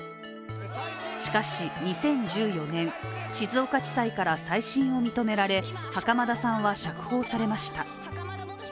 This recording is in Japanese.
しかし、２０１４年、静岡地裁から再審を認められ袴田さんは釈放されました。